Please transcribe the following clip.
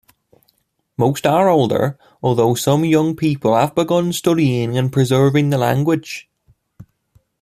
Most are older, although some young people have begun studying and preserving the language.